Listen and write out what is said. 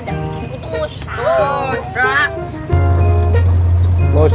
jangan bikin kutus